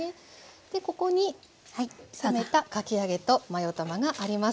でここに冷めたかき揚げとマヨ卵があります。